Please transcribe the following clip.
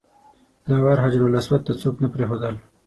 دا وار حجرالاسود ته څوک نه پرېښودل.